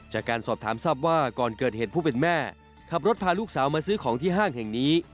จากการสอบถามทราบว่าก่อนเกิดเหตุผู้เป็นแม่ขับรถพาลูกสาวมาซื้อของที่ห้างแห่งนี้